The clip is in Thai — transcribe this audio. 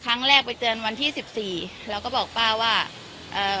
ครั้งแรกไปเตือนวันที่สิบสี่แล้วก็บอกป้าว่าเอ่อ